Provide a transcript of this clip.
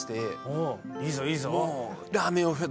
おぉいいぞいいぞ。